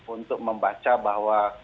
untuk membaca bahwa